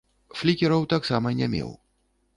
Флікераў таксама не меў.